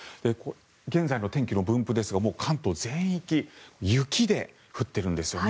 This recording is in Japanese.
現在の天気の分布ですが関東全域雪で降ってるんですよね。